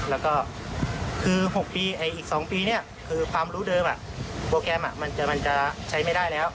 แล้วก็คือ๖ปีอีก๒ปีเนี่ยคือความรู้เดิมโปรแกรมมันจะใช้ไม่ได้แล้ว